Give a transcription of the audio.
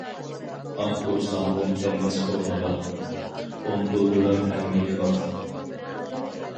ئاھ ئۇرساڭمۇ كەلمەس ئورنىغا، ئۇنتۇلدۇرار ھەممىنى ۋاقىت.